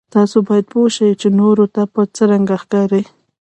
تاسو باید پوه شئ چې نورو ته به څرنګه ښکارئ.